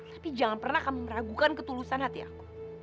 tapi jangan pernah kamu meragukan ketulusan hati aku